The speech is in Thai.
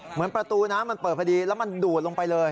ประตูน้ำมันเปิดพอดีแล้วมันดูดลงไปเลย